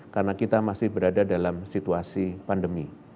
karena kita masih berada dalam situasi pandemi